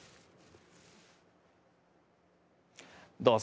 どうぞ。